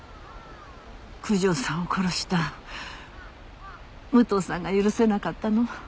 九条さんを殺した武藤さんが許せなかったの？